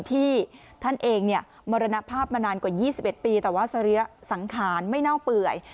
ที่ท่านเองมรณภาพมานานกว่า๒๑ปีแต่ว่าสรีระสังขารไม่เน่าเปื่อย